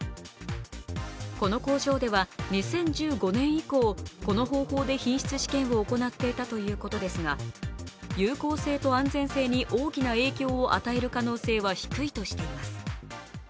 この工場では２０１５年以降、この方法で品質試験を行っていたということですが有効性と安全性に大きな影響を与える可能性は低いとしています。